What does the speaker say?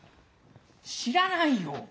「知らないよ！